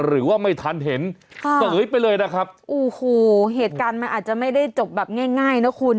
หรือว่าไม่ทันเห็นค่ะเสยไปเลยนะครับโอ้โหเหตุการณ์มันอาจจะไม่ได้จบแบบง่ายง่ายนะคุณ